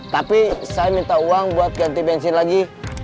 tapi saya minta uang buat ganti bensin lagi